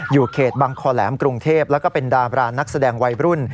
เขตบังคอแหลมกรุงเทพแล้วก็เป็นดาบรานักแสดงวัยรุ่น